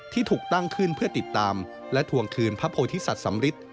ที่ถูกตั้งขึ้นเพื่อติดตามและทวงคืนพระโพธิสัตว์สำริท